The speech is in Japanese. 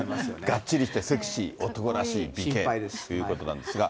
がっちりしてセクシー、男らしい、美形ということなんですが。